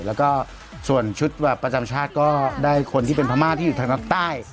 แล้วก็ส่วนชุดแบบประจำชาติก็ได้คนที่เป็นพม่าที่อยู่ทางภาคใต้